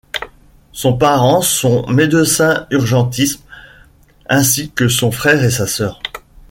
Son parents sont médecins urgentistes, ainsi que son frère et sa sœur.